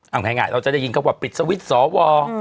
เอาง่ายเราจะได้ยินเขาว่าปริศวิทธิ์สอวร